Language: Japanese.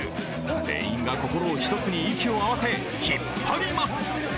全員が心を一つに息を合わせ引っ張ります。